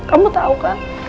kamu tahu kak